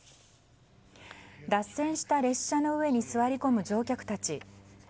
脱線した列車の上に座り込む乗客たち。